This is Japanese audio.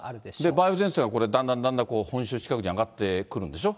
梅雨前線がだんだんだんだん本州近くに上がってくるんでしょ。